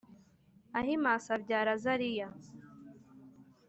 Ahimasi abyara Azariya